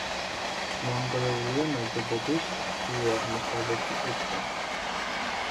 მონგრეულია ნაგებობის ჩრდილო-აღმოსავლეთი კუთხე.